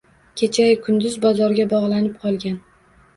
Kecha-yu kunduz bozorga bog’lanib qolgan.